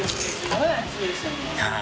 はい。